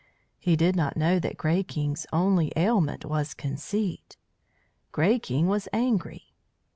He did not know that Grey King's only ailment was conceit. Grey King was angry.